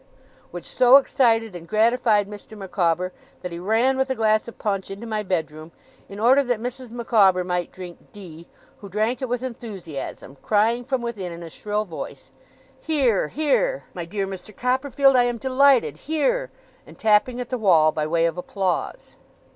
which so excited and gratified Mr. Micawber, that he ran with a glass of punch into my bedroom, in order that Mrs. Micawber might drink D., who drank it with enthusiasm, crying from within, in a shrill voice, 'Hear, hear! My dear Mr. Copperfield, I am delighted. Hear!' and tapping at the wall, by way of applause.